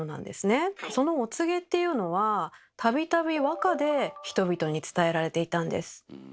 そのお告げっていうのは度々和歌で人々に伝えられていたんです。